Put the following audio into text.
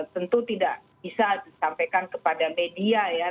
tentu tidak bisa disampaikan kepada media ya